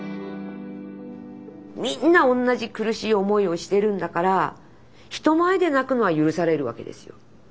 みんな同じ苦しい思いをしてるんだから人前で泣くのは許されるわけですよ。